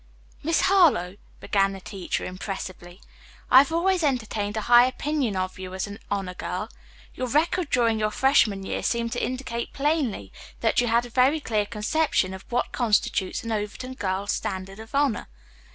"Miss Harlowe," began the teacher impressively, "I have always entertained a high opinion of you as an honor girl. Your record during your freshman year seemed to indicate plainly that you had a very clear conception of what constitutes an Overton girl's standard of honor.